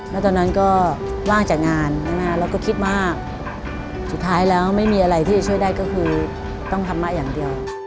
แล้วตอนนั้นก็ว่างจากงานเราก็คิดมากสุดท้ายแล้วไม่มีอะไรที่จะช่วยได้ก็คือต้องธรรมะอย่างเดียว